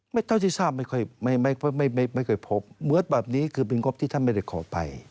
เท่าที่ทราบไม่ค่อยไม่ไม่เคยพบเหมือนแบบนี้คือเป็นงบที่ท่านไม่ได้ขอไป